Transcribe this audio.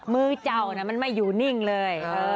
มือเจ้ามันไม่อยู่นิ่งเลย